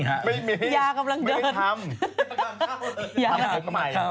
ไม่มีไม่ได้ทำทำหน้าใหม่